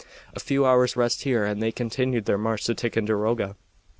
A few hours' rest here and they continued their march to Ticonderoga.